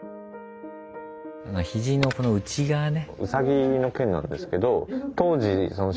ひじのこの内側ね。